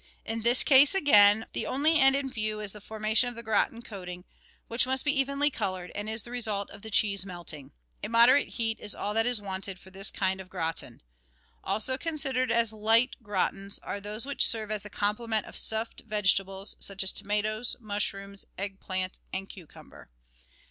In this case, again, the only end in view is the formation of the gratin coating, which must be evenly coloured, and is the result of the cheese melting. A moderate heat is all that is wanted for this kind of gratin. Also considered as light gratins are those which serve as the complement of stuffed vegetables such as tomatoes, mush rooms, egg plant, and cucumber.